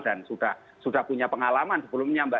dan sudah punya pengalaman sebelumnya